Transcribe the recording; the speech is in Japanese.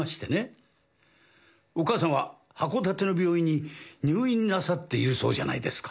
お母さんは函館の病院に入院なさっているそうじゃないですか。